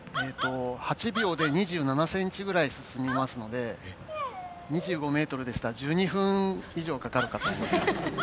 ８秒で２７センチぐらい進みますので２５メートルでしたら１２分以上かかるかと。